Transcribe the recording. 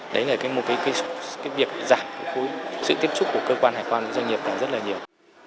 đấy là một việc giảm khối sự tiếp trúc của cơ quan hải quan và doanh nghiệp này rất là nhiều